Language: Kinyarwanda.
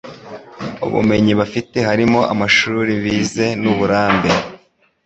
Ubumenyi bafite harimo amashuri bize n ‘uburambe